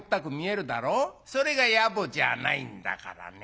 それが野暮じゃないんだからね。